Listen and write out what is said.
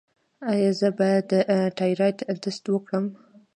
ایا زه باید د تایرايډ ټسټ وکړم؟